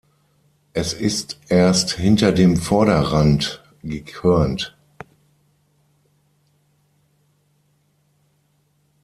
Es ist erst hinter dem Vorderrand gekörnt.